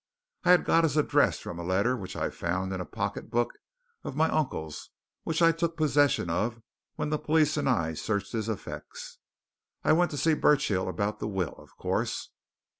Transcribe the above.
I had got his address from a letter which I found in a pocket book of my uncle's, which I took possession of when the police and I searched his effects. I went to see Burchill about the will, of course.